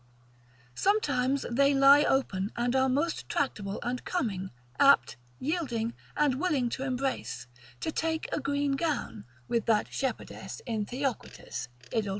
Sometimes they lie open and are most tractable and coming, apt, yielding, and willing to embrace, to take a green gown, with that shepherdess in Theocritus, Edyl.